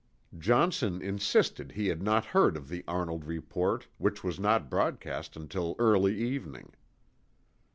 Johnson insisted he had not heard of the Arnold report, which was not broadcast until early evening.